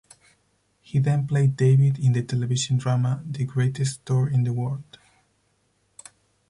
He then played David in the television drama, "The Greatest Store in the World".